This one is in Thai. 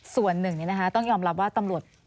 ส่วนหนึ่งต้องยอมรับว่าตำรวจ